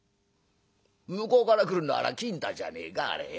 向こうから来るのはあらぁ金太じゃねえかあれええ？